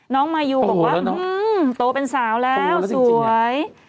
มายูบอกว่าโตเป็นสาวแล้วสวย